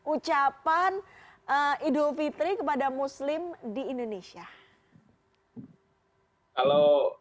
ucapan idul fitri kepada muslim di indonesia